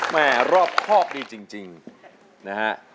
รอบครอบดีจริงนะฮะ